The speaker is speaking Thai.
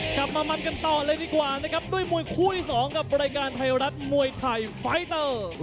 กลับมามันกันต่อเลยดีกว่านะครับด้วยมวยคู่ที่สองกับรายการไทยรัฐมวยไทยไฟเตอร์